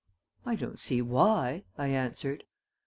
"I don't see why," I answered.